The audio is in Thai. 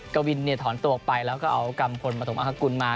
กวินถอนตัวออกไปแล้วก็เอากัมพลปฐมอาฮกุลมา